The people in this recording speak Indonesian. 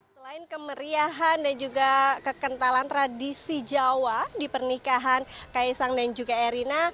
selain kemeriahan dan juga kekentalan tradisi jawa di pernikahan kaisang dan juga erina